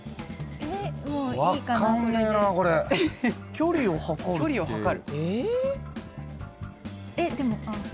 えっ距離を測る？